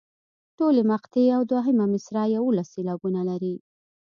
ټولې مقطعې او دوهمه مصرع یوولس سېلابونه لري.